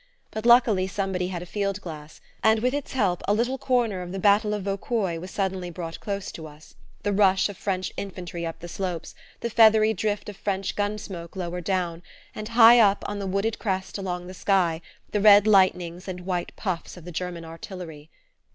But luckily somebody had a field glass, and with its help a little corner of the battle of Vauquois was suddenly brought close to us the rush of French infantry up the slopes, the feathery drift of French gun smoke lower down, and, high up, on the wooded crest along the sky, the red lightnings and white puffs of the German artillery.